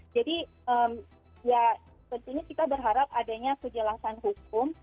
jadi ya tentunya kita berharap adanya kejelasan hukum